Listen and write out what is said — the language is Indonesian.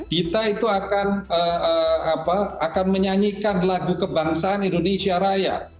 dita itu akan menyanyikan lagu kebangsaan indonesia raya